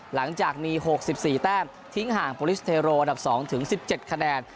หลังจากมี๖๔แต้มทิ้งห่างโปรลิสเทโรอันดับ๒ถึง๑๗คะแนน